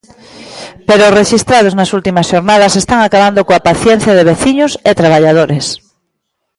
Pero os rexistrados nas últimas xornadas están acabando coa paciencia de veciños e traballadores.